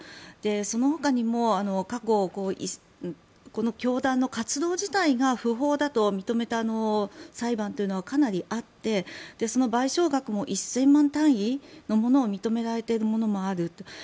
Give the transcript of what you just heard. そのほかにも過去、この教団の活動自体が不法だと認めた裁判というのはかなりあってその賠償額も１０００万単位のものが認められているものもある。